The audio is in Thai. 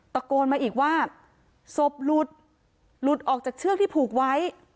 ตะโกนมาอีกว่าศพหลุดหลุดออกจากเชือกที่ผูกไว้